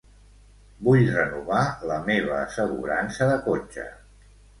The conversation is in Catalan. Vull renovar la meva assegurança de cotxe.